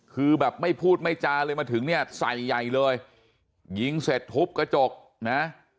คือแบบไม่พูดไม่จาเลยมาถึงเนี่ยใส่ใหญ่เลยยิงเสร็จทุบกระจกนะ